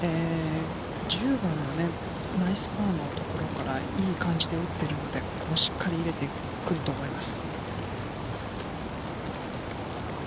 １０番はナイスパーのところからいい感じで追っているので、ここをしっかり入れてくると思います。